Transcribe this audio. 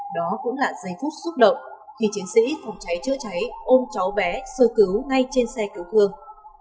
đó cũng là giây phút xúc động khi chiến sĩ phòng cháy chữa cháy ôm cháu bé sơ cứu ngay trên xe cứu thương